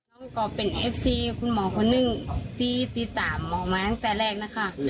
ผมก็เป็นแฟนกับคุณหมอคุณหมอคุณนึกที่ตี๓มาตั้งแต่แรกนะคะ